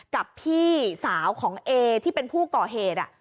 กับพี่สาวของเอที่เป็นผู้ก่อเหตุ